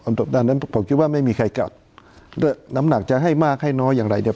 ด้านนั้นผมคิดว่าไม่มีใครกัดน้ำหนักจะให้มากให้น้อยอย่างไรเนี่ย